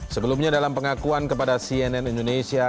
sebelumnya dalam pengakuan kepada cnn indonesia